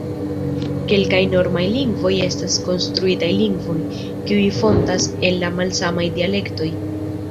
Kelkaj normaj lingvoj estas konstruitaj lingvoj, kiuj fontas el malsamaj dialektoj.